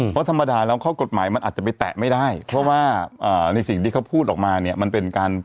เพราะธรรมดาแล้วข้อกฎหมายมันอาจจะไปแตะไม่ได้เพราะว่าในสิ่งที่เขาพูดออกมาเนี่ยมันเป็นการ